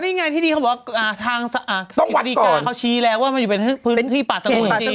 ก็นี่ไงที่ดีเขาบอกว่าทางสิทธิกาเขาชี้แล้วว่ามันอยู่เป็นพื้นที่ป่าสงวนจริง